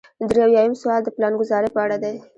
درې اویایم سوال د پلانګذارۍ په اړه دی.